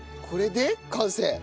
これで完成？